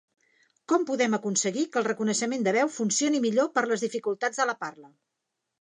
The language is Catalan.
Com podem aconseguir que el reconeixement de veu funcioni millor per les dificultats de la parla?